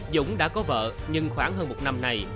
dũng đã có vợ nhưng khoảng hơn một năm nay